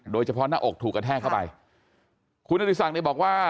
โดยเฉพาะหน้าอกถูกกระแทกเข้าไปคุณอดีศักดิ์บอกว่า